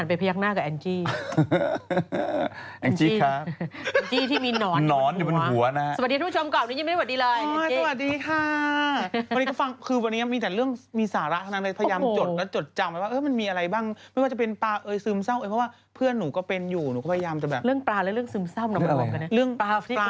แต่ผมกินมื้อเดียวอยู่แล้วทุกวันนี้